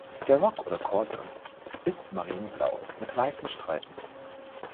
Der Rock, oder „Corte“, ist marineblau mit weißen Streifen.